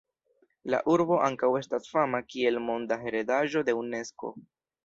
La urbo ankaŭ estas fama kiel Monda heredaĵo de Unesko.